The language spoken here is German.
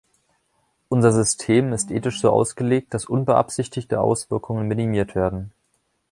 Unser System ist ethisch so ausgelegt, dass unbeabsichtigte Auswirkungen minimiert werden.